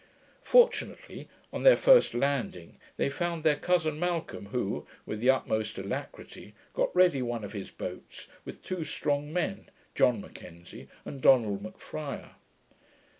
Fortunately, on their first landing, they found their cousin Malcolm, who, with the utmost alacrity, got ready one of his boats, with two strong men. John M'Kenzie, and Donald M'Friar.